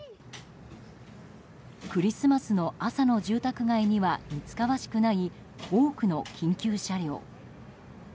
クリスマスの朝の住宅街には似つかわしくない多くの緊急車両。